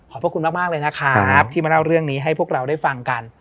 พระคุณมากเลยนะครับที่มาเล่าเรื่องนี้ให้พวกเราได้ฟังกัน